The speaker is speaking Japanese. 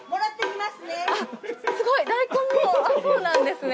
あっすごい大根をそうなんですね。